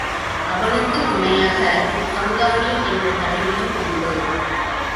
அவனுக்குத் துணையாகக் கங்காணி என்ற தலைவனும் உண்டு.